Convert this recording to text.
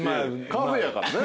カフェやからね。